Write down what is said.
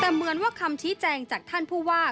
แต่เหมือนว่าคำชี้แจงจากท่านผู้ว่า